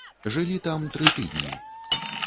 Жылі там тры тыдні.